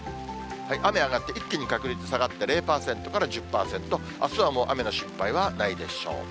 雨上がって、一気に確率下がって０％から１０％、あすはもう雨の心配はないでしょう。